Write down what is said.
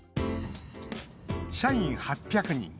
社員８００人